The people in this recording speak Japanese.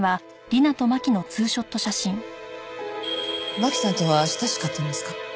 真輝さんとは親しかったんですか？